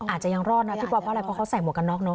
อาจจะยังรอดนะพี่ป๊อปเพราะอะไรเพราะเขาใส่หมวกกันน็อ